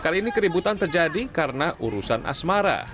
kali ini keributan terjadi karena urusan asmara